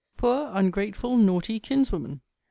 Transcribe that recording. POOR UNGRATEFUL, NAUGHTY KINSWOMAN!